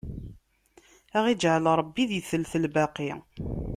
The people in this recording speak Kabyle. Ad aɣ-iǧɛel Ṛebbi di telt lbaqi!